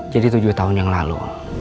jadi tujuh tahun yang lalu